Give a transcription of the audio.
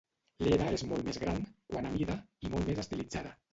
L'Hera és molt més gran, quant a la mida, i molt més estilitzada.